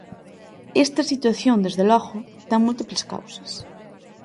Esta situación, desde logo, ten múltiples causas.